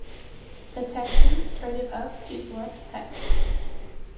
The Texans traded up to select Heck.